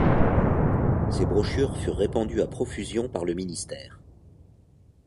Ces brochures furent répandues à profusion par le Ministère.